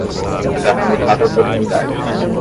Agarrando cada oportunidade